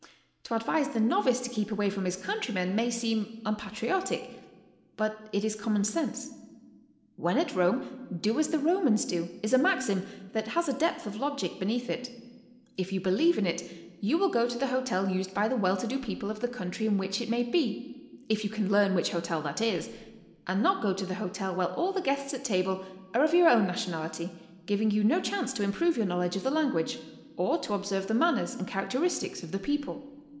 To ad vise the novice to keep away from his countrymen, may seem unpatriotic, but it is common sense. ''When at Rome, do as the Romans do," is a maxim that has a depth of logic beneath it. If you believe in it, you will go to the hotel used by the well to do people of the country in which it may be, if you can learn which hotel that is, and not to the hotel where all the guests at table are of your own nationality, giving you no chance to improve your knowledge of the language, or to observe the manners and characteristics of the people.